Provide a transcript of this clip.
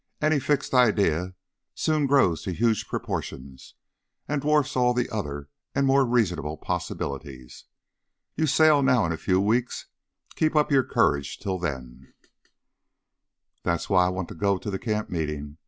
"Any fixed idea soon grows to huge proportions, and dwarfs all the other and more reasonable possibilities. You sail now in a few weeks. Keep up your courage till then " "That's why I want to go to the camp meeting.